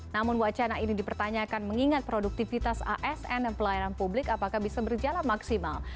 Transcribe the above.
namun wacana ini dipertanyakan mengingat produktivitas asn dan pelayanan publik apakah bisa berjalan maksimal